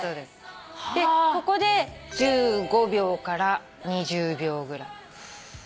ここで１５秒から２０秒ぐらい。